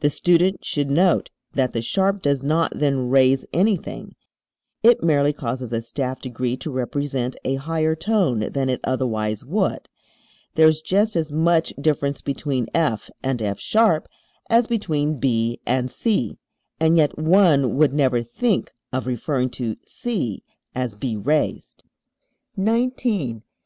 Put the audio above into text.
The student should note that the sharp does not then raise anything; it merely causes a staff degree to represent a higher tone than it otherwise would. There is just as much difference between F and F[sharp] as between B and C, and yet one would never think of referring to C as "B raised"! [Illustration: Fig.